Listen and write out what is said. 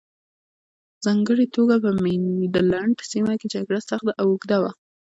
په ځانګړې توګه په مینډلنډ سیمه کې جګړه سخته او اوږده وه.